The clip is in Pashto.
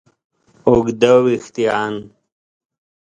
اوږده وېښتیان